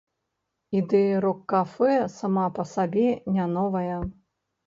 Ідэя рок-кафэ сама па сабе не новая.